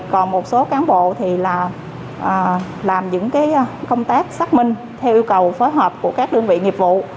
còn một số cán bộ thì là làm những công tác xác minh theo yêu cầu phối hợp của các đơn vị nghiệp vụ